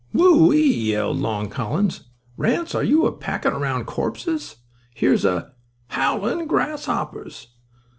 "Who ee!" yelled Long Collins. "Ranse, are you a packin' around of corpuses? Here's a—howlin' grasshoppers!"